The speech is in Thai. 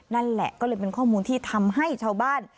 นั่นแหละก็เลยเป็นข้อมูลที่ทำให้ชาวบ้าน